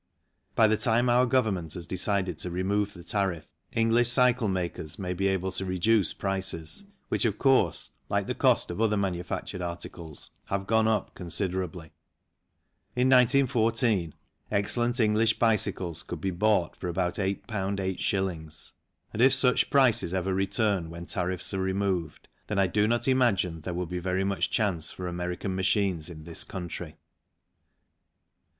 By the time our Government has decided to remove the tariff, English cycle makers may be able to reduce prices which, of course, like the cost of other manufactured articles, have gone up considerably. In 1914 excellent English bicycles could be bought for about 8 8s., and if such prices ever return when tariffs are removed, then I do not imagine there will be very much chance for American machines in this country.